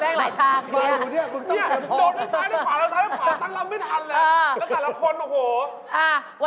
แม่งหลายทางจริงไหมคะมึงต้องแต่พอแล้ว